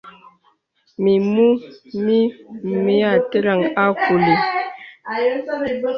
Mimù mì məìtæràŋ a kùli.